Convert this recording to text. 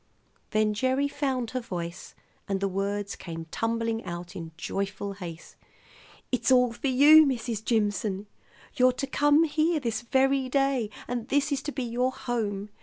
Then Gerry found her voice, and the words came tumbling out in joyful haste. "It's all for you, Mrs. Jimson. You're to come here this very day, and this is to be your home.